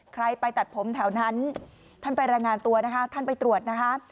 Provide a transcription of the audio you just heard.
ใครไปตัดผมแถวนั้นท่านไปรายงานตัวนะคะท่านไปตรวจนะคะ